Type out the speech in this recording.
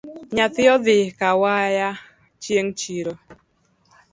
Nyathi odhi kawaya chieng’ chiro